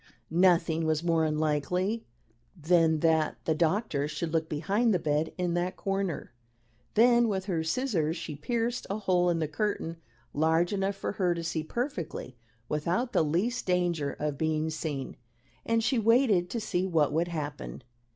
Nothing was more unlikely than that the doctor should look behind the bed in that corner. Then with her scissors she pierced a hole in the curtain large enough for her to see perfectly without the least danger of being seen, and she waited to see what would happen.